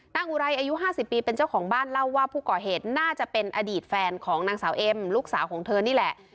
อุไรอายุ๕๐ปีเป็นเจ้าของบ้านเล่าว่าผู้ก่อเหตุน่าจะเป็นอดีตแฟนของนางสาวเอ็มลูกสาวของเธอนี่แหละ